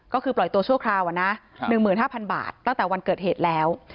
ก็คือปล่อยตัวชั่วคราวนะ๑๕๐๐บาทตั้งแต่วันเกิดเหตุแล้ว